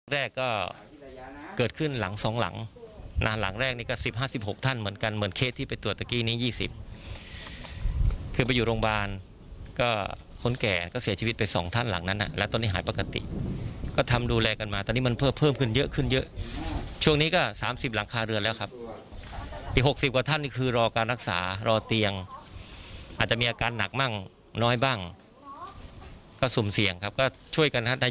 แรกก็เกิดขึ้นหลังสองหลังหลังแรกนี่ก็สิบห้าสิบหกท่านเหมือนกันเหมือนเคสที่ไปตรวจตะกี้นี้ยี่สิบคือไปอยู่โรงบาลก็คนแก่ก็เสียชีวิตไปสองท่านหลังนั้นอ่ะแล้วตอนนี้หายปกติก็ทำดูแลกันมาตอนนี้มันเพิ่มเพิ่มขึ้นเยอะขึ้นเยอะช่วงนี้ก็สามสิบหลังคาเรือนแล้วครับอีกหกสิบกว่าท่าน